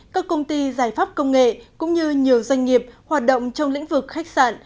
các công ty giải pháp công nghệ cũng như nhiều doanh nghiệp hoạt động trong lĩnh vực khách sạn